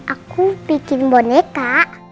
aku bikin boneka